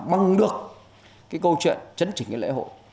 bằng được cái câu chuyện chấn chỉnh cái lễ hội